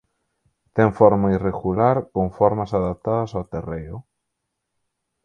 Ten forma irregular con formas adaptadas ao terreo.